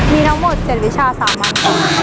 มีทั้งหมด๗วิชาสามบาท